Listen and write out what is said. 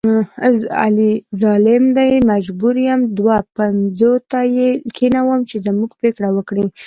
علي ظالم دی مجبوره یم دوه پنځوته یې کېنوم چې زموږ پرېکړه وکړي.